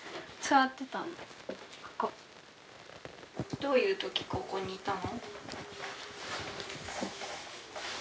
どういうときここにいたの？